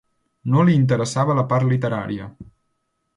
No li interessava la part literària.